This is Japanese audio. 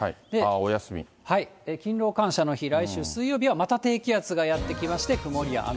勤労感謝の日、来週水曜日はまた低気圧がやって来まして、曇りや雨。